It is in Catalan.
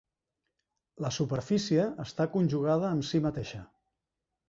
La superfície està conjugada amb si mateixa.